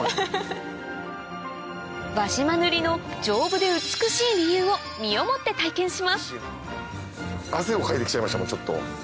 輪島塗の丈夫で美しい理由を身をもって体験します